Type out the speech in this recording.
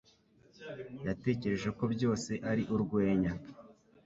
Yatekereje ko byose ari urwenya.